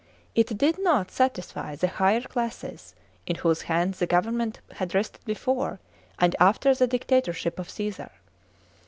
It did not satisfy the higher classes, in whose hands the government had rested before and after the dictatorship of Cassar.